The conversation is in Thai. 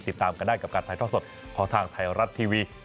ติดตามกันได้กับการถ่ายทอดสดของทางไทยรัฐทีวี